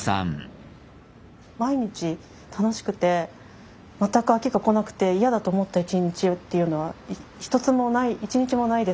毎日楽しくて全く飽きがこなくて嫌だと思った一日っていうのは一つもない一日もないです。